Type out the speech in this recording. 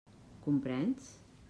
Comprens?